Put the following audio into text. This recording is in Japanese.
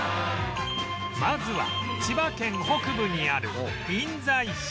まずは千葉県北部にある印西市